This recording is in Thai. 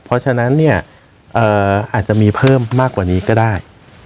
เพราะฉะนั้นเนี่ยอาจจะมีเพิ่มมากกว่านี้ก็ได้